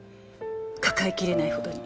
抱えきれないほどに。